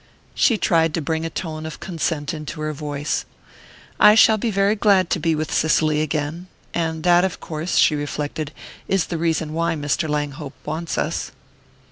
She tried to bring a tone of consent into her voice. "I shall be very glad to be with Cicely again and that, of course," she reflected, "is the reason why Mr. Langhope wants us."